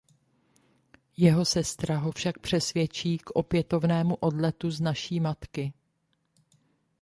Jeho sestra ho však přesvědčí k opětovnému odletu z Naší Matky.